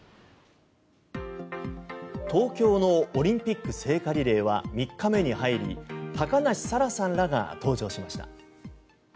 東京のオリンピック聖火リレーは３日目に入り高梨沙羅さんらが登場しました。